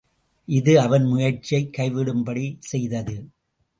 இது அவன் முயற்சியைக் கைவிடும்படி செய்தது.